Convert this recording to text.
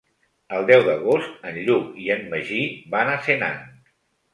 El deu d'agost en Lluc i en Magí van a Senan.